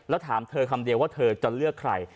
แล้วถามเธอคำเดียวว่าเธอจะเลือกใคร